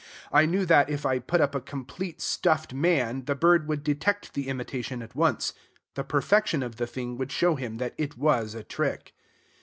I knew that, if I put up a complete stuffed man, the bird would detect the imitation at once: the perfection of the thing would show him that it was a trick.